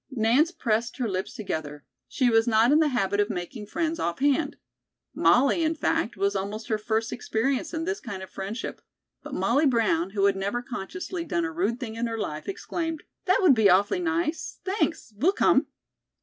Nance pressed her lips together. She was not in the habit of making friends off hand. Molly, in fact, was almost her first experience in this kind of friendship. But Molly Brown, who had never consciously done a rude thing in her life, exclaimed: "That would be awfully nice. Thanks, we'll come."